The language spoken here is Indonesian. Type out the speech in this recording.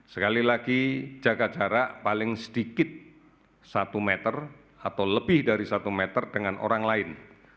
sekali lagi jaga jarak paling sedikit satu meter atau lebih dari satu meter dengan orang lain